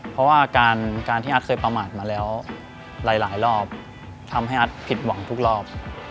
เพราะว่าการที่อัดเคยประมาทมาแล้วหลายรอบทำให้อัดผิดหวังทุกรอบ